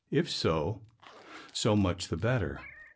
If so, so much the better.